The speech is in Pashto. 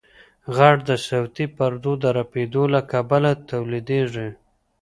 غږ د صوتي پردو د رپېدو له کبله تولیدېږي.